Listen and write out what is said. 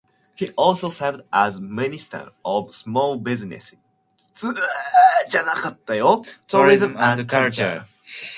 He also served as Minister of Small Business, Tourism and Culture.